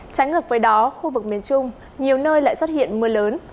trái ngược với đó khu vực miền trung nhiều nơi lại xuất hiện mưa lớn